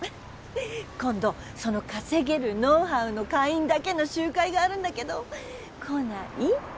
今度その稼げるノウハウの会員だけの集会があるんだけど来ない？